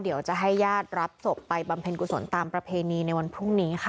เดี๋ยวจะให้ญาติรับศพไปบำเพ็ญกุศลตามประเพณีในวันพรุ่งนี้ค่ะ